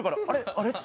あれ？って。